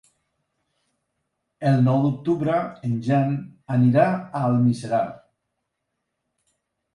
El nou d'octubre en Jan anirà a Almiserà.